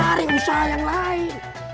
lari usaha yang lain